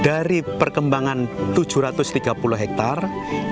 dari perkembangan tujuh ratus tiga puluh hektare